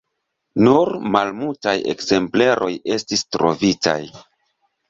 Nur malmultaj ekzempleroj estis trovitaj.